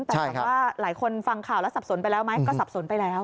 แต่ถามว่าหลายคนฟังข่าวแล้วสับสนไปแล้วไหมก็สับสนไปแล้ว